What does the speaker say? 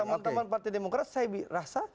teman teman partai demokrat saya rasa